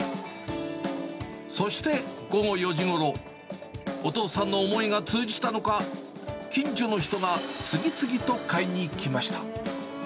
そして午後４時ごろ、お父さんの思いが通じたのか、近所の人が次々と買いに来ました。